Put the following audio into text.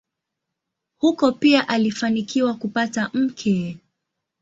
Huko pia alifanikiwa kupata mke.